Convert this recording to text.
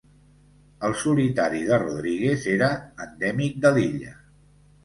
El solitari de Rodrigues era endèmic de l'illa.